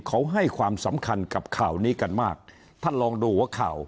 เขาให้ความสำคัญกับข่าวนี้กันมากท่านลองดูหัวข่าว